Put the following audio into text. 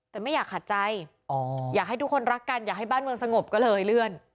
แต่ไม่อยากขัดใจอยากให้ทุกคนรักกันอยากให้บ้านเมืองสงบก็เลยเลื่อน